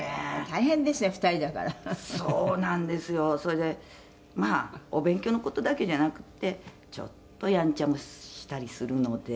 「大変ですね２人だから」「そうなんですよ。それでまあお勉強の事だけじゃなくてちょっとやんちゃもしたりするので」